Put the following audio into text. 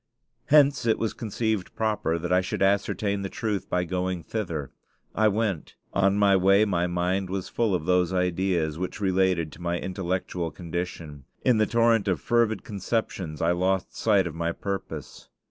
Hence it was conceived proper that I should ascertain the truth by going thither. I went. On my way my mind was full of those ideas which related to my intellectual condition. In the torrent of fervid conceptions I lost sight of my purpose.